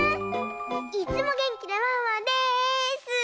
いっつもげんきなワンワンです！